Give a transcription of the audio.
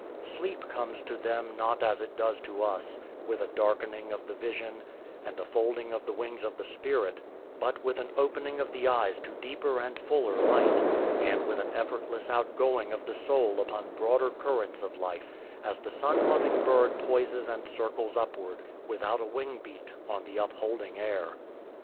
Sleep comes to them not as it does to us, with a darkening of the vision and a folding of the wings of the spirit, but with an opening of the eyes to deeper and fuller light, and with an effortless outgoing of the soul upon broader currents of life, as the sun loving bird poises and circles upward, without a wing beat, on the upholding air.